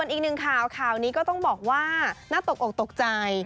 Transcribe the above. อีกนึงคราวนี้ก็ต้องบอกว่าน่าตกอกตกใจ